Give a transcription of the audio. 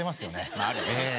まああるよね。